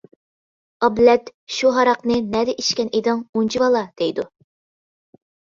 ئابلەت:-شۇ ھاراقنى نەدە ئىچكەن ئىدىڭ ئۇنچىۋالا دەيدۇ.